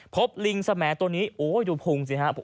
ลิงสแหมดตัวนี้โอ้ยดูพุงสิครับ